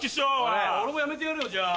俺も辞めてやるよじゃあ。